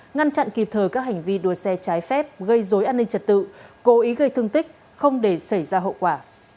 ngăn chặn kịp thời các hành vi đua xe trái phép gây dối an ninh trật tự cố ý gây thương tích không để xảy ra hậu quả